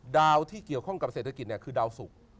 ที่เกี่ยวข้องกับเศรษฐกิจคือดาวสุก